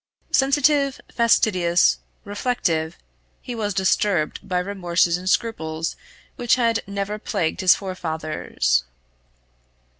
Sensitive, fastidious, reflective, he was disturbed by remorses and scruples which had never plagued his forefathers.